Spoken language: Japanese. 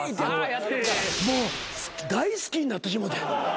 もう大好きになってしもうて。